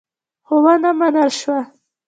خو ونه منل شوه.